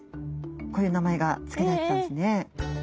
こういう名前が付けられていたんですね。